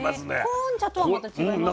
コーン茶とはまた違いますね。